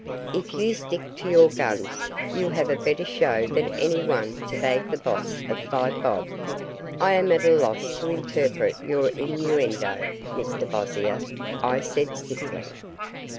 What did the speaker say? "If you stick to your guns you have a better show than anyone to bag the boss of Five Bob." "I am at a loss to interpret your innuendo, Mr Bossier," I said stiffly.